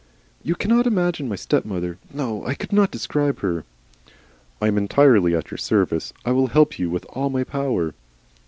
"You cannot imagine my stepmother. No! I could not describe her " "I am entirely at your service. I will help you with all my power."